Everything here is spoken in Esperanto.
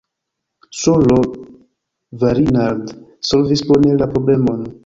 S-ro Varinard solvis bone la problemon.